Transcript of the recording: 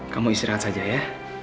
kamu istirahat saja ya